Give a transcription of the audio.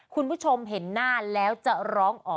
คุณผู้ชมเห็นหน้าแล้วจะร้องอ๋อ